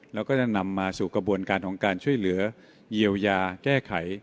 แล้วก็จะนำมาสู่กระบวนการของการช่วยเหลือเยียวยาแก้ไข